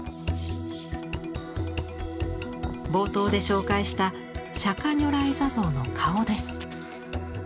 冒頭で紹介した釈如来坐像の顔です。